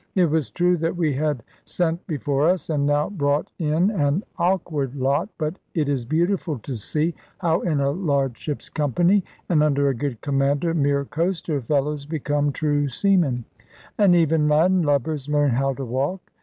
It was true that we had sent before us, and now brought in, an awkward lot; but it is beautiful to see how in a large ship's company, and under a good commander, mere coaster fellows become true seamen, and even land lubbers learn how to walk.